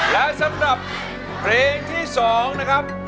และสำหรับเพลงที่๒นะครับ